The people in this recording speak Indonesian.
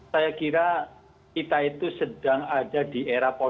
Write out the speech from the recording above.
saya kira kita itu sedang ada di era politik